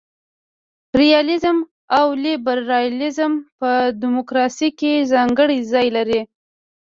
ریالیزم او لیبرالیزم په دموکراسي کي ځانګړی ځای لري.